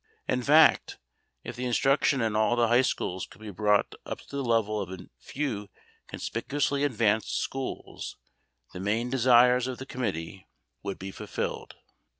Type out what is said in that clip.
In fact, if the instruction in all the high schools could be brought up to the level of a few conspicuously advanced schools the main desires of the committee would be fulfilled.